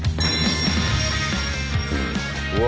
うわ。